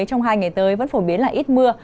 trong hai ngày tới vẫn phổ biến là ít mưa